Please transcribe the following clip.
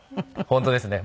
本当ですね。